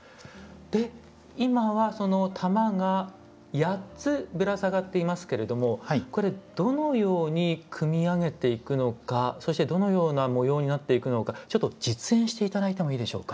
今はその玉が８つぶら下がっていますけれどもこれどのように組み上げていくのかそしてどのような模様になっていくのかちょっと実演して頂いてもいいでしょうか？